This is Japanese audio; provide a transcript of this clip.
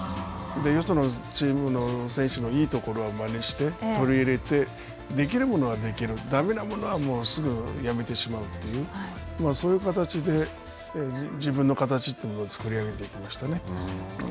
よそのチームの選手のいいところはまねして、取り入れて、できるものはできるだめなものはすぐやめてしまうという、そういう形で自分の形というのを作り上げていきましたね。